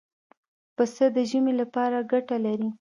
پسه د ژمې لپاره ګټه لري.